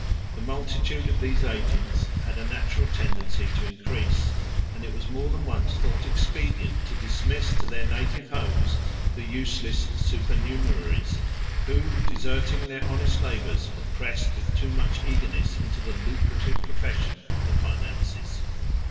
The multitude of these agents had a natural tendency to increase; and it was more than once thought expedient to dismiss to their native homes the useless supernumeraries, who, deserting their honest labors, had pressed with too much eagerness into the lucrative profession of the finances.